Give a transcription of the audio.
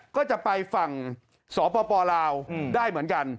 ก็จะไปฝั่งสปลาวได้เหมือนกัน